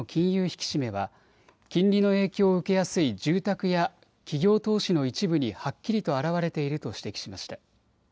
引き締めは金利の影響を受けやすい住宅や企業投資の一部にはっきりと表れていると指摘しました。